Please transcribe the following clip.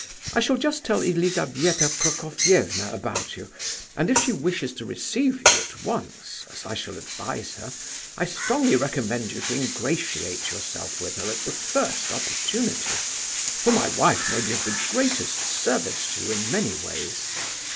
I shall just tell Elizabetha Prokofievna about you, and if she wishes to receive you at once—as I shall advise her—I strongly recommend you to ingratiate yourself with her at the first opportunity, for my wife may be of the greatest service to you in many ways.